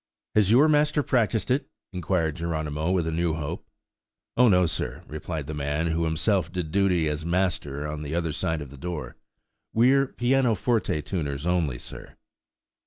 "Has your master practised it?" inquired Geronimo, with a new hope. "Oh, no, sir," replied the man, who himself did duty as master on the other side of the door; "we're pianoforte tuners only, sir."